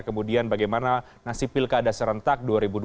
kemudian bagaimana nasi pilkada serentak